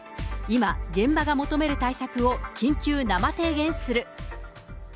今、現場が求める対策を緊急生提言する。